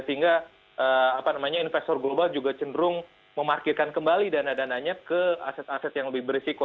sehingga investor global juga cenderung memarkirkan kembali dana dananya ke aset aset yang lebih berisiko